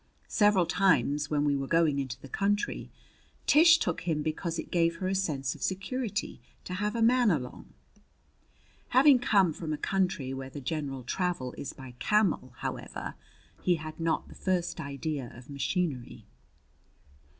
Several times, when we were going into the country, Tish took him because it gave her a sense of security to have a man along. Having come from a country where the general travel is by camel, however, he had not the first idea of machinery.